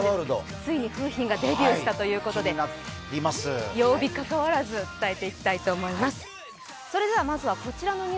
ついに楓浜がデビューしたということで、曜日関わらず伝えていきたいと思います。